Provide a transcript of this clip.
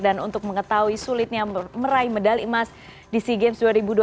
dan untuk mengetahui sulitnya meraih medali emas di sea games dua ribu dua puluh tiga